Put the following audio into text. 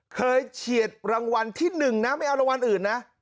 เฉียดรางวัลที่๑นะไม่เอารางวัลอื่นนะ